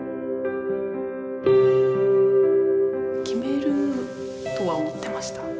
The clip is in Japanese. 決めるとは思ってました。